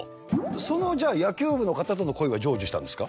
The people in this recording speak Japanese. そのじゃあ野球部の方との恋は成就したんですか？